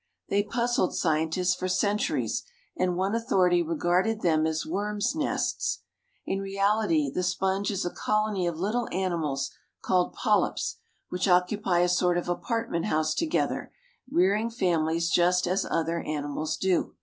They puzzled scientists for centuries, and one authority regarded them as worms' nests. In reality the sponge is a colony of little animals called polyps which occupy a sort of apartment house together, rearing families just as other animals do.